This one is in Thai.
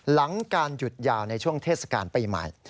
หลังการหยุดยาวในช่วงเทศกาลปีใหม่